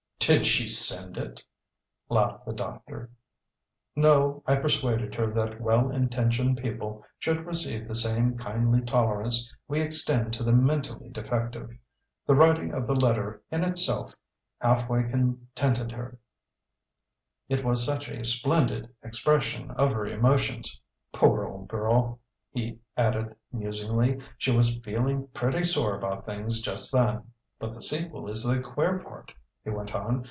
"Did she send it?" laughed the doctor. "No. I persuaded her that well intentioned people should receive the same kindly tolerance we extend to the mentally defective. The writing of the letter in itself half way contented her it was such a splendid expression of her emotions. Poor old girl," he added musingly, "she was feeling pretty sore about things just then." "But the sequel is the queer part," he went on.